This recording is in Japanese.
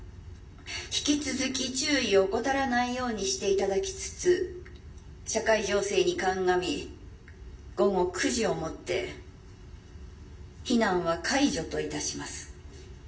引き続き注意を怠らないようにしていただきつつ社会情勢に鑑み午後９時をもって避難は解除といたします」。